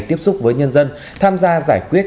tiếp xúc với nhân dân tham gia giải quyết